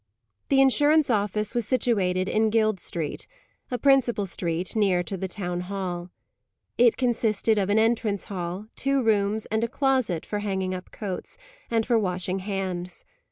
The insurance office was situated in Guild Street, a principal street, near to the Town Hall. It consisted of an entrance hall, two rooms, and a closet for hanging up coats, and for washing hands.